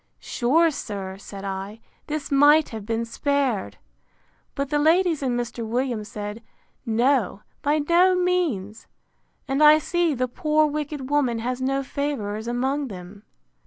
Sure, sir, said I, this might have been spared! But the ladies and Mr. Williams said, No, by no means! And I see the poor wicked woman has no favourers among them.